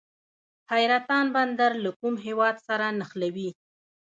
حیرتان بندر له کوم هیواد سره نښلوي؟